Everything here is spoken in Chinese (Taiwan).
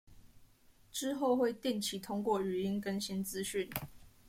之後會定期透過語音更新資訊